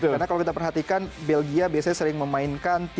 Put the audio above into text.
karena kalau kita perhatikan belgia biasanya sering memainkan tiga empat tiga